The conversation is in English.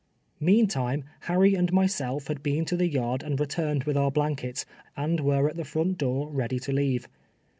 Meantime Harry and myself had been to the yard and returned with our blankets, and were at the front door ready to leave.